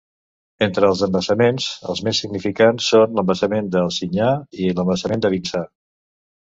Entre els embassaments, els més significants són l'embassament d'Ansinyà i l'embassament de Vinçà.